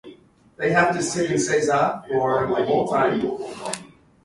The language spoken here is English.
They performed together in the university's Footlights Club.